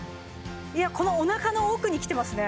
いやこのおなかの奥にきてますね